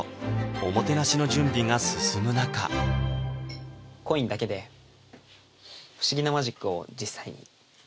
おもてなしの準備が進む中コインだけで不思議なマジックを実際演じることができました